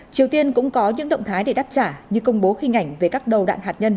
triều tiên cũng có những động thái để đáp trả như công bố hình ảnh về các đầu đạn hạt nhân